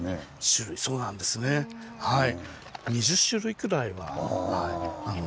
はい。